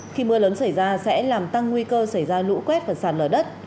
khi mưa lớn xảy ra sẽ làm tăng nguy cơ xảy ra lũ quét và sạt lở đất